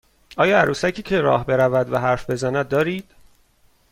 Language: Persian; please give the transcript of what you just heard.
آیا عروسکی که راه برود و حرف بزند دارید؟